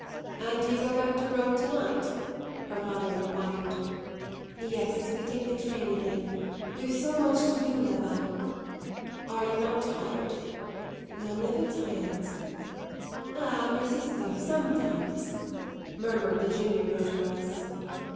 "And do you go back to Rome to night?" her father enquired. "Yes, we take the train again. We've so much to do là bas." "Are you not tired?" "We are never tired." "Ah, my sister, sometimes," murmured the junior votaress.